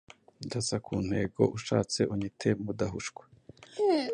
Ndasa kuntego ushatse unyite mudahushwa